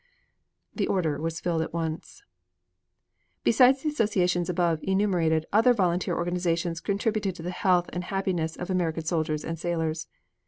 The order was filled at once. Besides the associations above enumerated, other volunteer organizations contributed to the health and happiness of American soldiers and sailors.